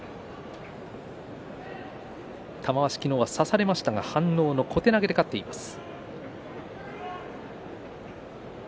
玉鷲は昨日差されましたが反応の小手投げで勝っています。